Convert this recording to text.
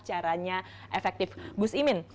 caranya efektif gus iman